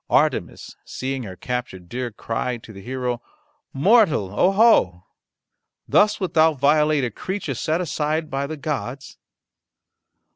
Artemis seeing her captured deer cried to the hero, "Mortal, oho! thus wilt thou violate a creature set aside by the gods?"